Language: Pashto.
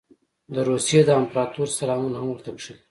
د روسیې د امپراطور سلامونه هم ورته کښلي.